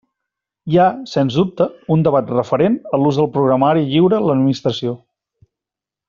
Hi ha, sens dubte, un debat referent a l'ús del programari lliure en l'administració.